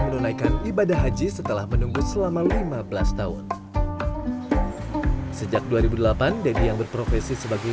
menunaikan ibadah haji setelah menunggu selama lima belas tahun sejak dua ribu delapan deddy yang berprofesi sebagai